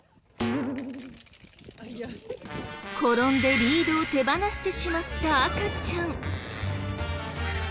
転んでリードを手放してしまった赤ちゃん。